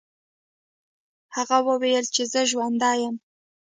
هغه وویل چې زه ژوندی یم.